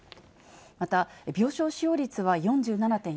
また病床使用率は４７．４％。